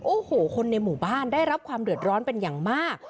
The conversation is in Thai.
โอ้โหคนในหมู่บ้านได้รับความเดือดร้อนเป็นอย่างมาก